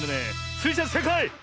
スイちゃんせいかい！